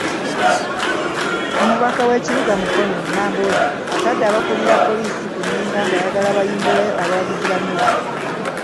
Omubaka w'ekibuga Mukono, Nambooze, atadde abakulira poliisi ku nninga ng'ayagala bayimbule abawagizi ba Nuupu.